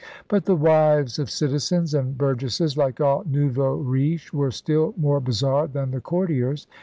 But the wives of * citizens and burgesses, ' like all nouveaux riches, were still more bizarre than the courtiers.